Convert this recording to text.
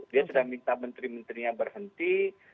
dia sudah minta menteri menterinya berhenti